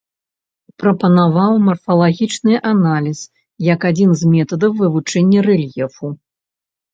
Прапанаваў марфалагічны аналіз як адзін з метадаў вывучэння рэльефу.